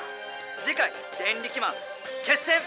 「じかい『デンリキマン』『決戦』！